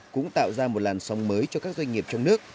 cũng tạo ra một làn sóng mới cho các doanh nghiệp trong nước